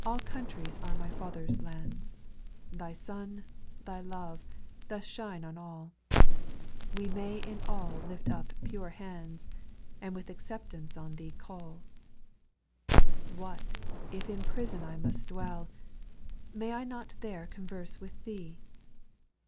SPIRITUAL SONGS, 341 4. All countries are my Father's lands — Thy sun, Thy love, doth shine on all ; We may in all l!ft up pure hands, And with acceptance on Thee call. 5. What, if in prison I must dwell, — May I not there converse with Thee